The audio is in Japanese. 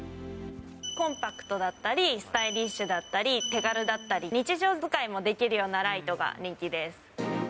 コンパクトだったり、スタイリッシュだったり、手軽だったり、日常使いもできるようなライトが人気です。